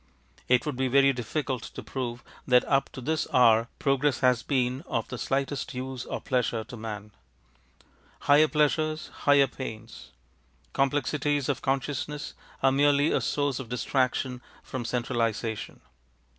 It would be very difficult to prove that up to this hour progress has been of the slightest use or pleasure to man. Higher pleasures, higher pains. Complexities of consciousness are merely a source of distraction from centralisation.